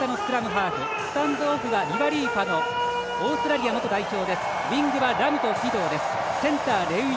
スタンドオフがリアリーファノオーストラリアの元代表。